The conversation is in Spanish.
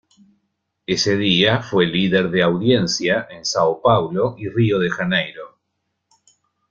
Ese día fue líder de audiencia en São Paulo y Río de Janeiro.